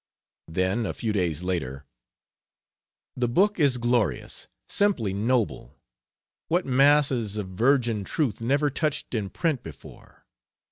Then, a few days later: "The book is glorious simply noble; what masses of virgin truth never touched in print before!"